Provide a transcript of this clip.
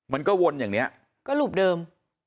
วนอย่างนี้ก็หลุบเดิม